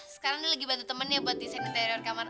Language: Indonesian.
sekarang dia lagi bantu temennya buat desain interior kamarnya